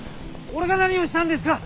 俺が何をしたんですか！